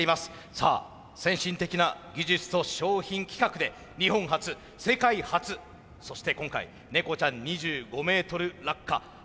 さあ先進的な技術と商品企画で日本初世界初そして今回ネコちゃん２５ｍ落下初完走を見せる。